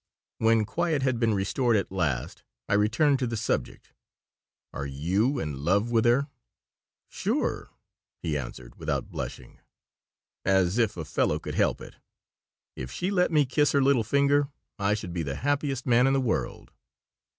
When quiet had been restored at last I returned to the subject: "Are you in love with her?" "Sure," he answered, without blushing. "As if a fellow could help it. If she let me kiss her little finger I should be the happiest man in the world."